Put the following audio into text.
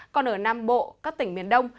còn ở nam bộ các tỉnh miền đông